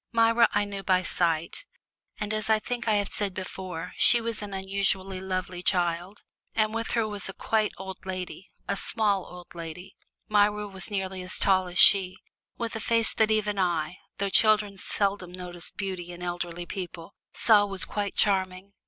Myra I knew by sight, and as I think I have said before, she was an unusually lovely child. And with her was a quite old lady, a small old lady Myra was nearly as tall as she with a face that even I (though children seldom notice beauty in elderly people) saw was quite charming.